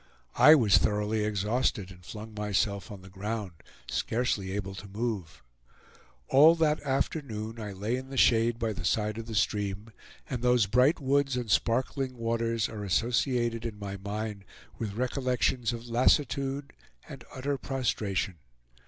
I was thoroughly exhausted, and flung myself on the ground, scarcely able to move. All that afternoon I lay in the shade by the side of the stream, and those bright woods and sparkling waters are associated in my mind with recollections of lassitude and utter prostration.